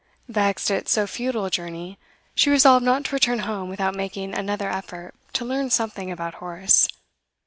Vexed at so futile a journey, she resolved not to return home without making another effort to learn something about Horace.